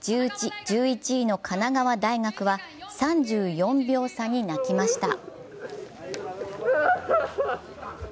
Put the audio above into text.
１１位の神奈川大学は３４秒差に泣きました。